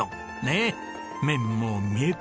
ねえ。